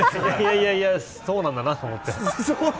いやいやそうなんだな、と思って。